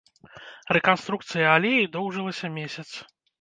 Рэканструкцыя алеі доўжылася месяц.